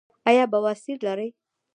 ایا بواسیر لرئ؟